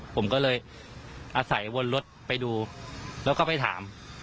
ผมก็เลยอาศัยวนรถไปดูแล้วก็ไปถาม